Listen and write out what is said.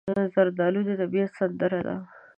زردالو د طبیعت سندره ده.